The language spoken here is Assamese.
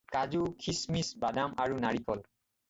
কাজু, খিচমিচ, বাদাম আৰু নাৰিকল।